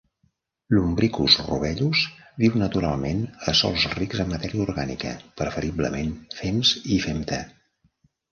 "Lumbricus rubellus" viu, naturalment, a sòls rics en matèria orgànica, preferiblement fems i femta.